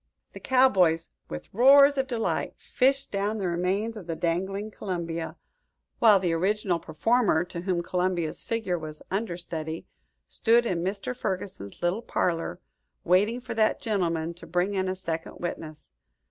The cowboys, with roars of delight, fished down the remains of the dangling Columbia, while the original performer, to whom Columbia's figure was understudy, stood in Mr. Ferguson's little parlor, waiting for that gentleman to bring in a second witness.